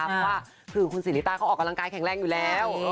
เพราะว่าคือคุณสิริต้าเขาออกกำลังกายแข็งแรงอยู่แล้ว